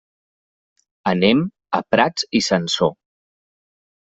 Anem a Prats i Sansor.